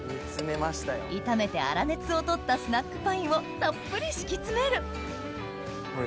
炒めて粗熱を取ったスナックパインをたっぷり敷き詰めるこれ。